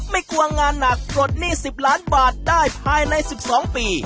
ไม่กลัวงานหนักปลดหนี้๑๐ล้านบาทได้ภายใน๑๒ปี